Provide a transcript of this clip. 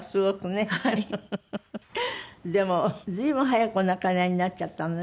でも随分早くお亡くなりになっちゃったのね。